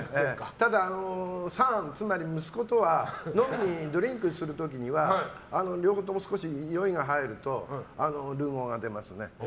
ただ、サン、つまり息子とは飲みにドリンクする時には両方とも少し酔いが入るとルー語が出ますね。